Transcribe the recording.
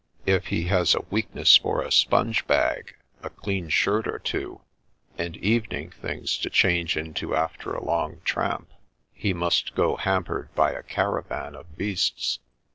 If he has a weakness for a sponge bag, a clean shirt or two, and evening things to change into after a long tramp, he must go hampered by a caravan of beasts."